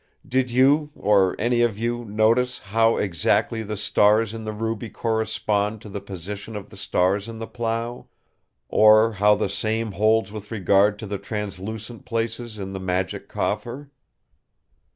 Did you, or any of you, notice how exactly the stars in the Ruby correspond to the position of the stars in the Plough; or how the same holds with regard to the translucent places in the Magic Coffer?"